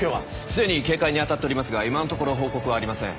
既に警戒に当たっておりますが今のところ報告はありません。